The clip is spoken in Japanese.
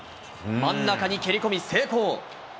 真ん中に蹴り込み、成功。